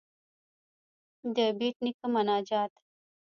ددبېټ نيکه مناجات.